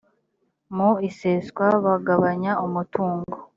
mu iseswa bagabanya umutungo